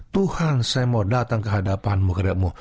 tuhan saya mau datang kehadapanmu